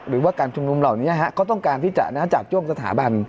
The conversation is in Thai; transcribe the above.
หรือว่าการชุมนุมเหล่านี้ก็ต้องการที่จะจาบจ้วงสถาบัน